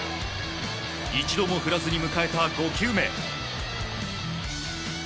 一度も振らずに迎えた５球目。